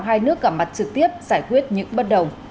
hai nước gặp mặt trực tiếp giải quyết những bất đồng